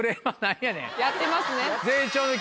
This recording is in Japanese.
やってますね。